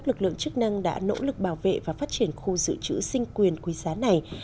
lực lượng chức năng đã nỗ lực bảo vệ và phát triển khu dự trữ sinh quyền quý giá này